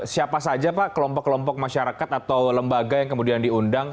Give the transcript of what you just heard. siapa saja pak kelompok kelompok masyarakat atau lembaga yang kemudian diundang